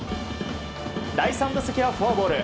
第３打席はフォアボール。